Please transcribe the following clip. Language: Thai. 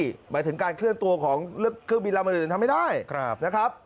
หมายถึงการเคลื่อนตัวของเครื่องบินลำอื่นทำไม่ได้นะครับ